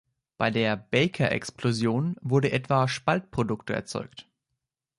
Bei der „Baker“-Explosion wurde etwa Spaltprodukte erzeugt.